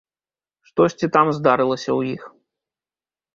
Штосьці там здарылася ў іх.